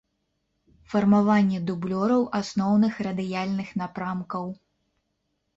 Фармаванне дублёраў асноўных радыяльных напрамкаў.